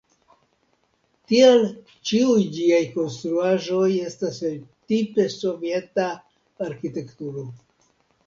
Tial ĉiuj ĝiaj konstruaĵoj estas el tipe soveta arkitekturo.